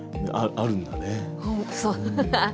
あるんだ。